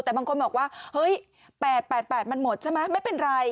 แต่บางคนบอกว่าเฮ้ย๘๘มันหมดใช่ไหมไม่เป็นไร